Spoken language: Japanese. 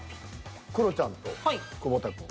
クロちゃんと久保田くん。